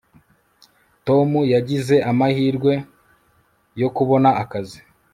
tom yagize amahirwe yo kubona akazi